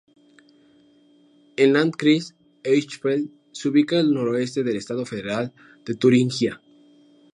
El Landkreis Eichsfeld se ubica al noroeste del estado federal de Turingia.